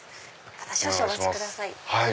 少々お待ちください。